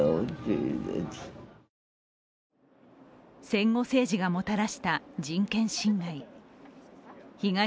戦後政治がもたらした人権侵害。